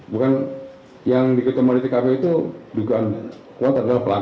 bukan yang diketemu di tkp itu juga kuat adalah pelaku